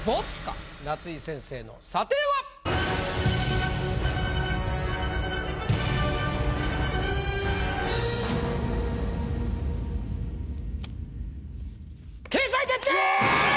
夏井先生の査定は⁉掲載決定！